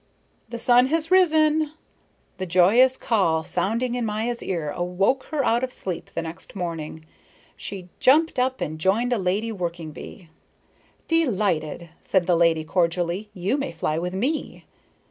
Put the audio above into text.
"The sun has risen!" The joyous call sounding in Maya's ears awoke her out of sleep the next morning. She jumped up and joined a lady working bee. "Delighted," said the lady cordially. "You may fly with me."